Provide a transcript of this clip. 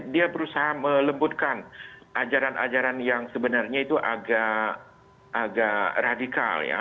dia berusaha melembutkan ajaran ajaran yang sebenarnya itu agak radikal ya